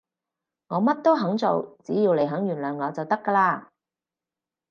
我乜都肯做，只要你肯原諒我就得㗎喇